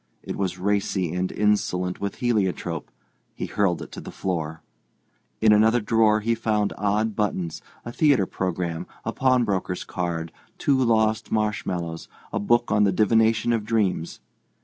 It was racy and insolent with heliotrope; he hurled it to the floor. In another drawer he found odd buttons, a theatre programme, a pawnbroker's card, two lost marshmallows, a book on the divination of dreams.